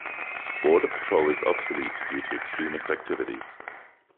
Border patrol is obsolete due to extremist activities.